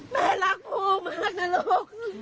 แม่รักพ่อมากนะลูก